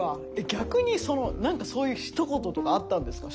逆にその何かそういうひと言とかあったんですか？